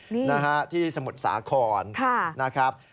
นี่นะครับที่สมุทรสาครนะครับค่ะ